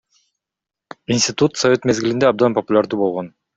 Институт совет мезгилинде абдан популярдуу болгон.